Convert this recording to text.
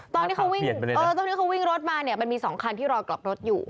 ตอนนี้เขาวิ่งรถมามันมี๒คันที่รอกรอกรถอยู่